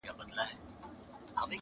په لوی لاس ځان د بلا مخي ته سپر کړم!.